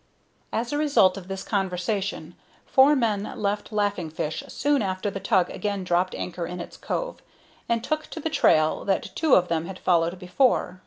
As a result of this conversation, four men left Laughing Fish soon after the tug again dropped anchor in its cove, and took to the trail that two of them had followed before.